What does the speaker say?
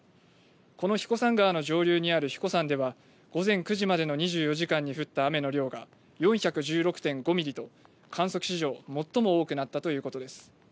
彦山川の上流にある英彦山では、午前９時までの２４時間に降った雨の量が４１６．５ミリと、観測史上最も多くなったということです。